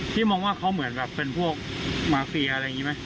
พี่มองว่าเขาเหมือนกับเป็นพวกมาฟเฟียอะไรนิอันไง